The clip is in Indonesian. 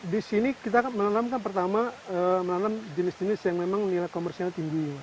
di sini kita menanamkan pertama menanam jenis jenis yang memang nilai komersialnya tinggi